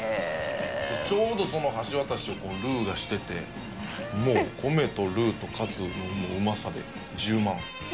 ちょうどその橋渡しをこのルーがしててもう米とルーとカツのうまさで充満。